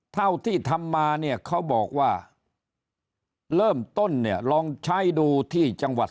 เท่าที่ทำมาเนี่ยเขาบอกว่าเริ่มต้นเนี่ยลองใช้ดูที่จังหวัด